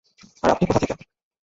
আর আপনি কোথা থেকে?